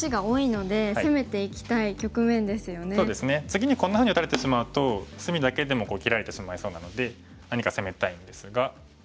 次にこんなふうに打たれてしまうと隅だけでも生きられてしまいそうなので何か攻めたいんですが。